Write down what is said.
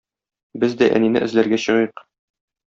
Без дә әнине эзләргә чыгыйк.